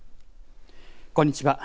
こんにちは。